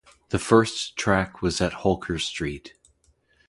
The first track was at Holker Street.